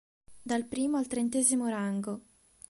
Dal primo al trentesimo rango.